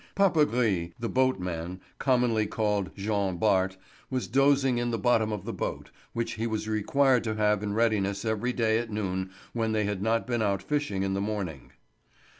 Papagris, the boatman, commonly called Jean Bart, was dozing in the bottom of the boat, which he was required to have in readiness every day at noon when they had not been out fishing in the morning.